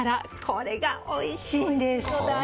これがおいしいんです！